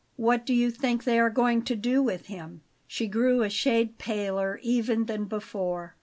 "What do you think they are going to do with him?" She grew a shade paler even than before.